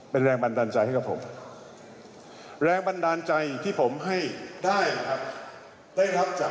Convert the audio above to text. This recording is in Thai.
เป็นแรงบันดาลใจให้กับผมแรงบันดาลใจที่ผมให้ได้ครับ